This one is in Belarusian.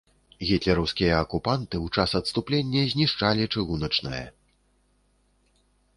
Гітлераўскія акупанты ў час адступлення знішчалі чыгуначнае.